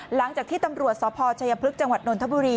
หลังจากที่ตำรวจสพชัยพลึกจนนทบุรี